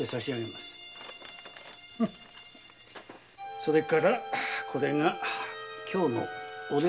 それからこれが今日のお礼です。